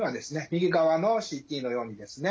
右側のＣＴのようにですね